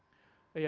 kami berkata bahwa